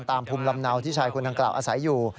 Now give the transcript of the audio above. ภูมิลำเนาที่ชายคนดังกล่าวอาศัยอยู่